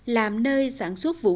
làm nơi sản xuất vũ khí